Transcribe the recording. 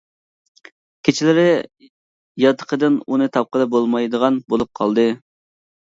كېچىلىرى ياتىقىدىن ئۇنى تاپقىلى بولمايدىغان بولۇپ قالدى.